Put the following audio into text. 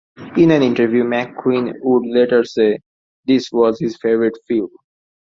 In an interview, McQueen would later say this was his favorite film.